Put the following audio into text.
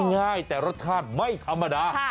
ง่ายแต่รสชาติไม่ธรรมดา